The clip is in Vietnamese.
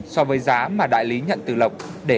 so với giá mà đại lý nhận từ lộc